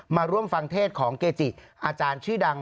มาร่วมฟังเทศของเกจิอาจารย์ชื่อดัง